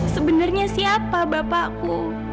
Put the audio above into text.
sebenarnya siapa bapakku